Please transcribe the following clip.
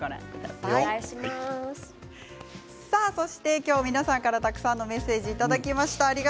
今日皆さんからたくさんのメッセージいただきました。